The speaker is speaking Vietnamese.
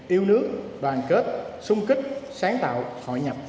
yêu nước đoàn kết sung kích sáng tạo hội nhập